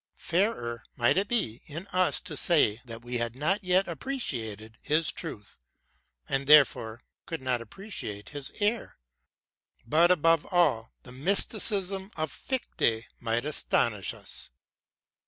Fairer might it be in us to say that we had not yet appreciated his truth, and therefore could not appreciate his error. But above all, the mysticism of Fichte might astonish us.